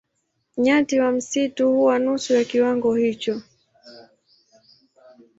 Nyati wa msitu huwa nusu ya kiwango hicho.